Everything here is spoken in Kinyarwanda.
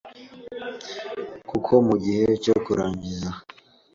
kuko mu gihe cyo kurangiza